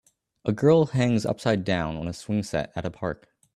A girl hangs upside down on a swing set at a park